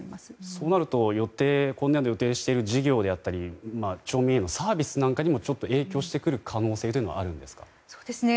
そうなると今年度予定している事業であったり町民へのサービスにも影響してくる可能性はあるんですか？